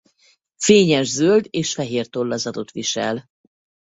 Fényes zöld és fehér tollazatot visel.